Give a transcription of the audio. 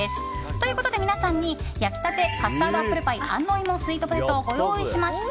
ということで皆さんに焼きたてカスタードアップルパイ安納芋スイートポテトをご用意しました。